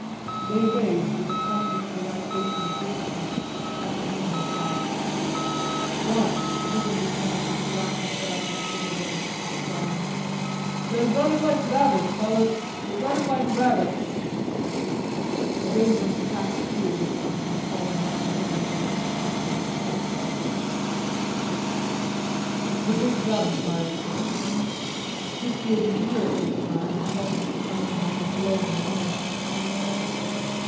They waved, with a conscious relaxation of discipline, at the men as they passed. One, a little lieutenant with a black mustache with pointed ends, kept crying: "They're running like rabbits, fellers; they're running like rabbits." A wavering half cheer would come from the column now and then where it was passing the staff car. The big gun fired again. Chrisfield was near it this time and felt the concussion like a blow in the head.